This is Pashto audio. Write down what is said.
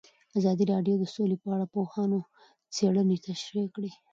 ازادي راډیو د سوله په اړه د پوهانو څېړنې تشریح کړې.